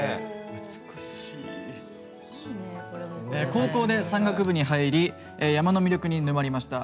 高校で山岳部に入り山の魅力に沼りました。